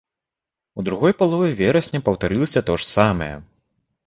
У другой палове верасня паўтарылася тое ж самае.